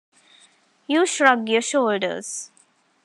You shrug your shoulders?